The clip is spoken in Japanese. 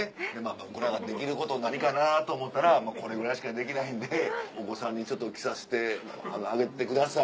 僕らができること何かなと思ったらこれぐらいしかできないんでお子さんに着させてあげてください。